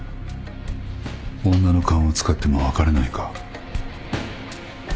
女の勘を使っても分からないか。